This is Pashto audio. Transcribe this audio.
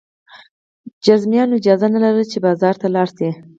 جذامیانو اجازه نه لرله چې بازار ته لاړ شي.